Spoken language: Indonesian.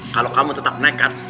kalau kamu tetap nekat